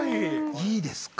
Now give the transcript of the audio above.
いいですか？